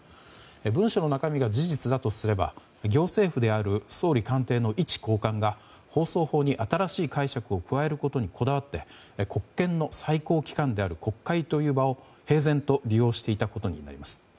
文書の中身が事実だとすれば行政府である総理官邸の一高官が放送法に新しい解釈を加えることにこだわって国権の最高機関である国会という場を平然と利用していたことになります。